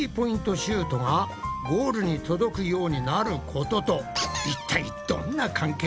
シュートがゴールに届くようになることといったいどんな関係があるんだ？